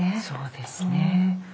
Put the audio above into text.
そうですね。